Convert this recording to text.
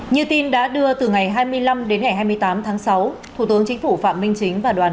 như tin đã đưa từ ngày hai mươi năm đến ngày hai mươi tám tháng sáu thủ tướng chính phủ phạm minh chính và đoàn